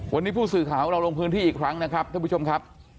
วันนี้ผู้สื่อข่าวของเราลงพื้นที่อีกครั้งนะครับท่านผู้ชมครับ